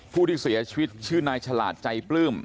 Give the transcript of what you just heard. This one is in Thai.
ผู้ที่เสียชีวิตชื่อนายฉลาดใจปลื้ม